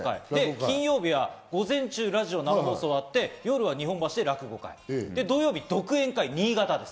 金曜日は午前中ラジオの生放送があって、夜は日本橋で落語会、土曜日、独演会・新潟です。